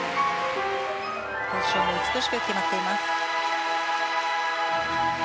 ポジションも美しく決まっています。